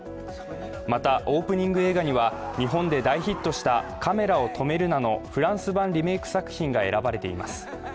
またオープニング映画には日本で大ヒットした「カメラを止めるな！」のフランス版リメーク作品が選ばれています。